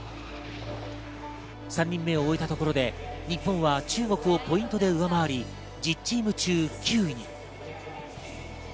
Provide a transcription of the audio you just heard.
３人目を終えたところで日本は中国をポイントで上回り１０チーム中９位に。